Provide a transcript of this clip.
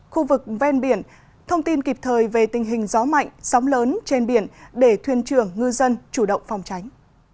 khu vực ven biển thông tin kịp thời về tình hình gió mạnh sóng lớn trên biển để thuyên trưởng ngư dân chủ động phòng tránh